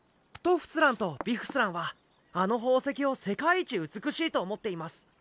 トフスランとビフスランはあの宝石を世界一美しいと思っています。